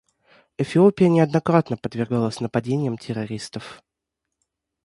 Эфиопия неоднократно подвергалась нападениям террористов.